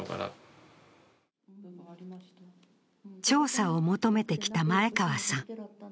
調査を求めてきた前川さん。